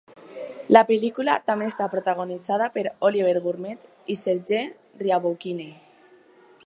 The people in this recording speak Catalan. La pel·lícula també està protagonitzada per Olivier Gourmet i Serge Riaboukine.